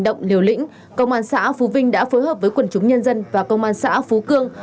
động liều lĩnh công an xã phú vinh đã phối hợp với quần chúng nhân dân và công an xã phú cương